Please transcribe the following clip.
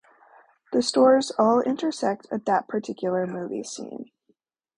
The stories all intersect at that particular movie scene.